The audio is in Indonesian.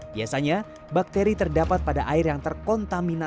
biasanya bakteri terdapat pada air yang terkontaminasi